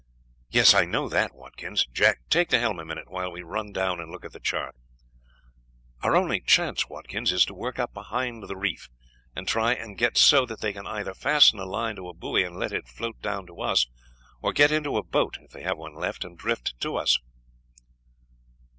"Yes, I know that, Watkins. Jack, take the helm a minute while we run down and look at the chart. "Our only chance, Watkins, is to work up behind the reef, and try and get so that they can either fasten a line to a buoy and let it float down to us, or get into a boat, if they have one left, and drift to us."